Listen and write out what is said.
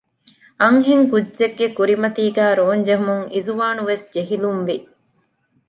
އަންހެންކުއްޖެއްގެ ކުރިމަތީގައި ރޯންޖެހުމުން އިޒުވާނުވެސް ޖެހިލުންވި